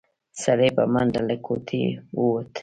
سړی په منډه له کوټې ووت.